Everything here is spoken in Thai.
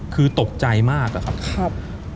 คือตกใจมากอะครับ